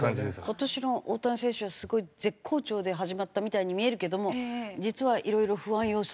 今年の大谷選手はすごい絶好調で始まったみたいに見えるけども実はいろいろ不安要素はある。